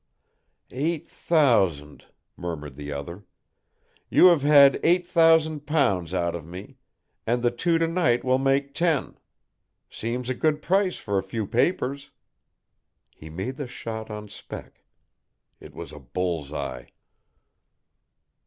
"Eight thousand," murmured the other, "you have had eight thousand pounds out of me, and the two to night will make ten. Seems a good price for a few papers." He made the shot on spec. It was a bull's eye.